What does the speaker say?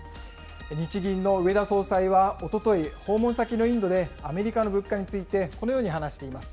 日銀の植田総裁はおととい、訪問先のインドでアメリカの物価について、このように話しています。